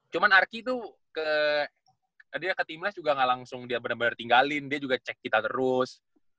cuman arki tuh ke dia ke timnas juga gak langsung dia bener bener tinggalin dia juga cek kita terus